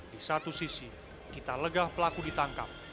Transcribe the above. di satu sisi kita legah pelaku ditangkap